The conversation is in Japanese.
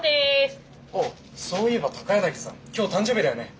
ああそういえば高柳さん今日誕生日だよね。